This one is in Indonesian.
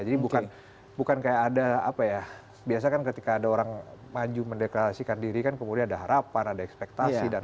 jadi bukan kayak ada apa ya biasa kan ketika ada orang maju mendeklarasikan diri kan kemudian ada harapan ada ekspektasi dan lain lain